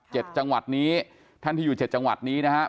จังหวัดนี้ท่านที่อยู่เจ็ดจังหวัดนี้นะครับ